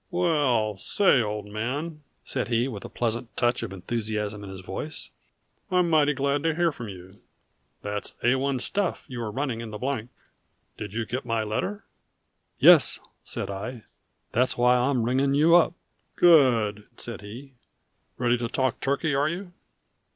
"Well say, old man," said he, with a pleasant touch of enthusiasm in his voice, "I'm mighty glad to hear from you. That's A 1 stuff you are running in the Blank. Did you get my letter?" "Yes," said I. "That's why I am ringing you up." "Good!" said he. "Ready to talk turkey, are you?"